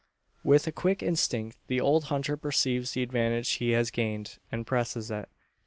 With a quick instinct the old hunter perceives the advantage he has gained, and presses it.